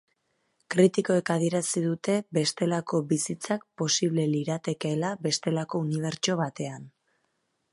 Kritikoek adierazi dute bestelako bizitzak posible liratekeela bestelako unibertso batean.